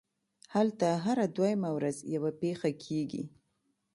هلته هره دویمه ورځ یوه پېښه کېږي